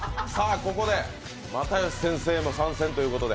ここで又吉先生も参戦ということで。